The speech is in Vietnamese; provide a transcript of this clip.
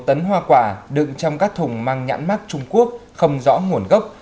hai một tấn hoa quả đựng trong các thùng mang nhãn mark trung quốc không rõ nguồn gốc